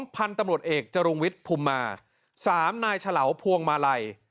พันธุ์ตำรวจเอกจรุงวิทย์ภูมิมา๓นายฉลาวพวงมาลัย